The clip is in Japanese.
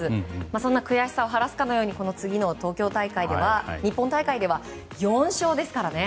そんな悔しさを晴らすかのように次の日本大会では４勝ですからね。